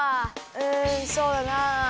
うんそうだな。